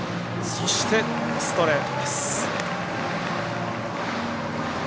そして、ストレートです。